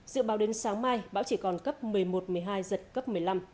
dự báo đến sáng mai bão chỉ còn cấp một mươi một một mươi hai giật cấp một mươi năm